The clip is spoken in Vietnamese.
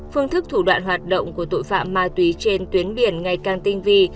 phương thức thủ đoạn hoạt động của tội phạm ma túy trên tuyến biển ngày càng tinh vi